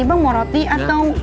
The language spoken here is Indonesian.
abang mau roti atau